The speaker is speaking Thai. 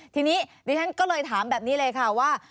ทีนี้ดิฉันก็เลยถามแบบนี้เลยค่ะว่า